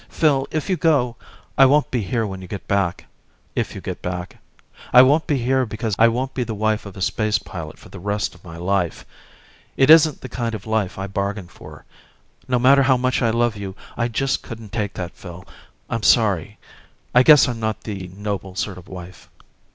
"Phil, if you go, I won't be here when you get back if you get back. I won't be here because I won't be the wife of a space pilot for the rest of my life. It isn't the kind of life I bargained for. No matter how much I love you, I just couldn't take that, Phil. I'm sorry. I guess I'm not the noble sort of wife."